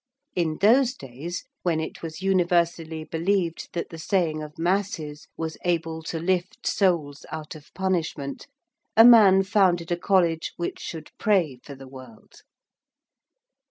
In those days, when it was universally believed that the saying of masses was able to lift souls out of punishment, a man founded a College which should pray for the world.